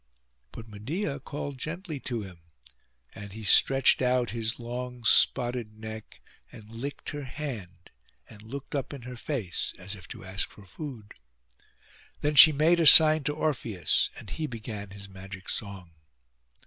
But Medeia called gently to him, and he stretched out his long spotted neck, and licked her hand, and looked up in her face, as if to ask for food. Then she made a sign to Orpheus, and he began his magic song.